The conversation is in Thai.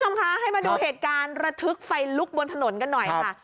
คุณผู้ชมคะให้มาดูเหตุการณ์ระทึกไฟลุกบนถนนกันหน่อยค่ะ